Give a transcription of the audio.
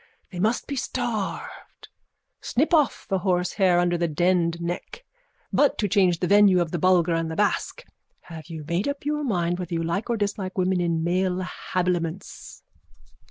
They must be starved. Snip off with horsehair under the denned neck. But, to change the venue to the Bulgar and the Basque, have you made up your mind whether you like or dislike women in male habiliments?